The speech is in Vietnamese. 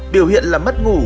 biểu hiện là mất ngủ